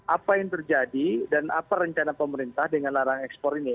apa yang terjadi dan apa rencana pemerintah dengan larang ekspor ini